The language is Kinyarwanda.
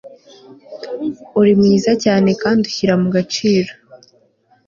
uri mwiza cyane kandi ushyira mu gaciro